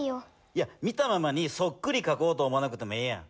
いや見たままにそっくりかこうと思わなくてもええやん。